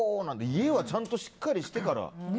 家はちゃんとしっかりしてから。